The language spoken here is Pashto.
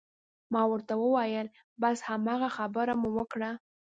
ما ورته وویل: بس هماغه خبره مو وکړه.